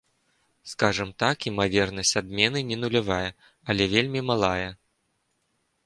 Скажам так, імавернасць адмены не нулявая, але вельмі малая.